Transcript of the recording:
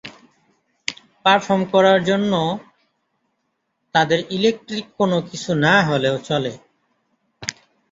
Perform করার জন্য তাদের ইলেক্ট্রিক কোন কিছু না হলেও চলে।